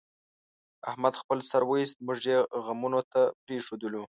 احمد خپل سر وایست، موږ یې غمونو ته پرېښودلو.